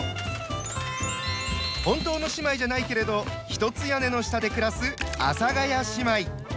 本当の姉妹じゃないけれど一つ屋根の下で暮らす「阿佐ヶ谷姉妹」。